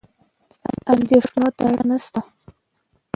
اندېښنې ته اړتیا نشته.